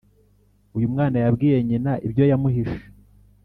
Uyumwana yabwiye nyina ibyo yamuhishe